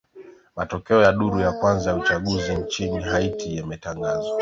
matokeo ya duru la kwanza la uchaguzi nchini haiti yametangazwa